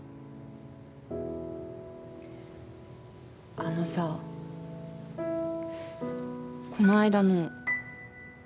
あのさこの間の。